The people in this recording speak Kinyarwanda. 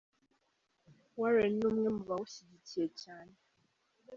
Warren ni umwe mu bawushyigikiye cyane.